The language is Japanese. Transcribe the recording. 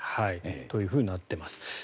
というふうになっています。